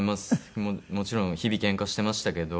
もちろん日々けんかしてましたけど。